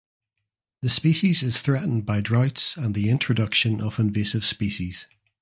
The species is threatened by droughts and the introduction of invasive species.